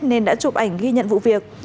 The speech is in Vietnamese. nên đã chụp ảnh ghi nhận vụ việc